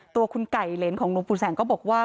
ตัวคุณไก่เหรนของหลวงปู่แสงก็บอกว่า